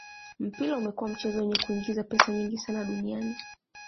mpira umekua mchezo wenye kuingiza pesa nyingi sana duniani